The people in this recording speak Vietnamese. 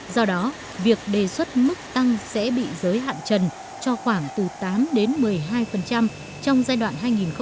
do đó việc đề xuất mức tăng sẽ bị giới hạn trần cho khoảng từ tám đến một mươi hai trong giai đoạn hai nghìn một mươi sáu hai nghìn hai mươi